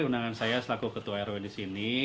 kebenaran saya selaku ketua rw disini